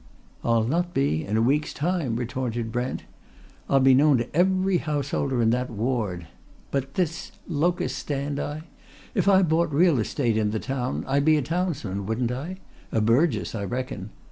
"I'll not be in a week's time," retorted Brent. "I'll be known to every householder in that ward! But this locus standi? If I bought real estate in the town, I'd be a townsman, wouldn't I? A burgess, I reckon.